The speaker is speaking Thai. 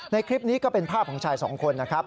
คลิปนี้ก็เป็นภาพของชายสองคนนะครับ